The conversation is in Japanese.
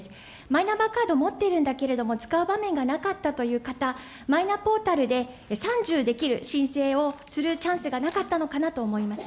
マイナンバーカードを持っているんだけれども、使う場面がなかったという方、マイナポータルで３０できる申請をするチャンスがなかったのかなと思います。